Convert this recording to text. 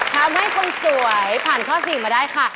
ทำให้คนสวยผ่านข้อ๔มาได้ค่ะ